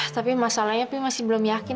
tapi masalahnya tapi masih belum yakin